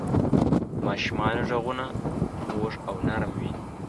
د ماشومانو ږغونه خوږ او نرم وي.